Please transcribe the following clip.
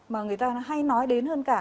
mà người ta hay nói đến hơn cả